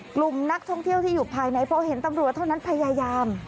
กลุ่มนักท่องเที่ยวที่อยู่ภายในพอเห็นตำรวจเท่านั้นพยายาม